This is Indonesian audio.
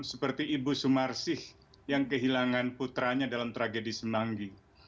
seperti ibu sumarsih yang kehilangan putranya dalam tragedi semanggi